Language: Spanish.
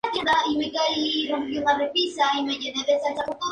Lanzado en versión trap y reguetón.